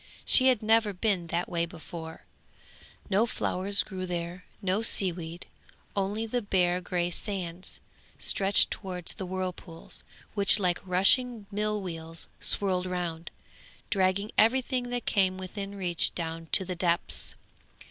She had never been that way before; no flowers grew there, no seaweed, only the bare grey sands, stretched towards the whirlpools, which like rushing mill wheels swirled round, dragging everything that came within reach down to the depths.